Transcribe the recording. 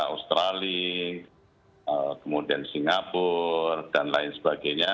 australia kemudian singapura dan lain sebagainya